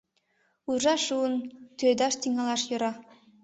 Уржа шуын, тӱредаш тӱҥалаш йӧра.